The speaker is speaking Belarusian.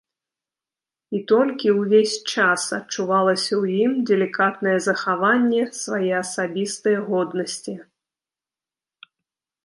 І толькі ўвесь час адчувалася ў ім далікатнае захаванне свае асабістае годнасці.